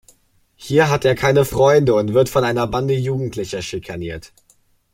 Hier hat er keine Freunde und wird von einer Bande Jugendlicher schikaniert.